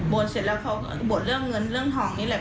เสร็จแล้วเขาก็บวชเรื่องเงินเรื่องทองนี่แหละ